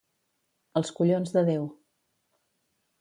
Als collons de Déu.